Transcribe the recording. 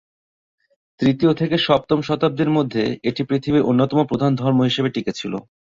তৃতীয় থেকে সপ্তম শতাব্দীর মধ্যে এটি পৃথিবীর অন্যতম প্রধান ধর্ম হিসেবে টিকে ছিলো।